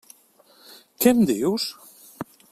Què em dius?